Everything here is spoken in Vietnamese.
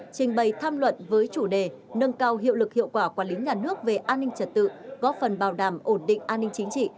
trình bày tham luận với chủ đề nâng cao hiệu lực hiệu quả quản lý nhà nước về an ninh trật tự góp phần bảo đảm ổn định an ninh chính trị